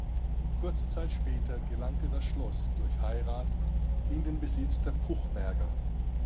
Kurze Zeit später gelangte das Schloss durch Heirat in den Besitz der Puchberger.